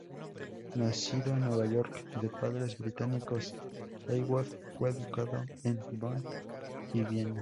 Nacido en Nueva York de padres británicos, Ellwood fue educado en Bonn y Viena.